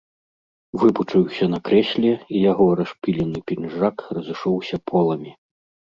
Выпучыўся на крэсле, і яго расшпілены пінжак разышоўся поламі.